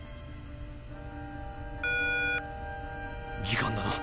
時間だな。